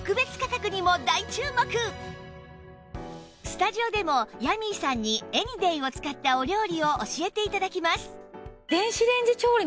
スタジオでもヤミーさんにエニデイを使ったお料理を教えて頂きます！